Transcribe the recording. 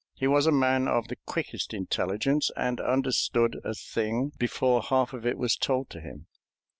He was a man of the quickest intelligence, and understood a thing before half of it was told him.